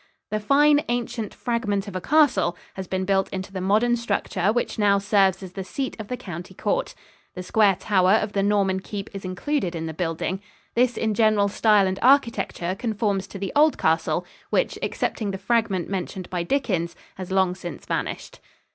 The "fine, ancient fragment of a castle" has been built into the modern structure which now serves as the seat of the county court. The square tower of the Norman keep is included in the building. This in general style and architecture conforms to the old castle, which, excepting the fragment mentioned by Dickens, has long since vanished.